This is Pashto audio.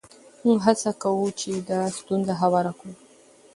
موږ هڅه کوو چې دا ستونزه هواره کړو.